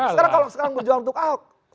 sekarang kalau sekarang berjuang untuk ahok